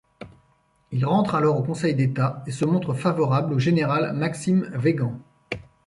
Il rentre alors au Conseil d'État et se montre favorable au général Maxime Weygand.